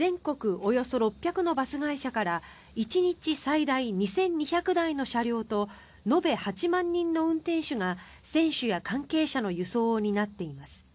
およそ６００のバス会社から１日最大２２００台の車両と延べ８万人の運転手が選手や関係者の輸送を担っています。